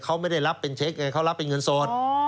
เขาไม่ได้รับเป็นเช็คไงเขารับเป็นเงินสด